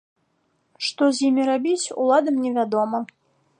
Што з імі рабіць, уладам не вядома.